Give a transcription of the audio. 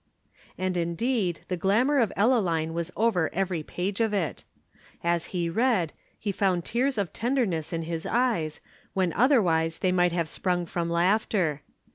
And indeed the glamour of Ellaline was over every page of it. As he read, he found tears of tenderness in his eyes, when otherwise they might have sprung from laughter.